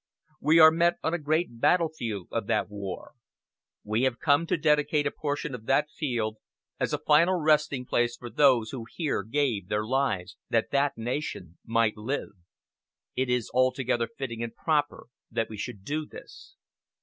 We are met on a great battlefield of that war. We have come to dedicate a portion of that field as a final resting place for those who here gave their lives that that nation might live. It is altogether fitting and proper that we should do this.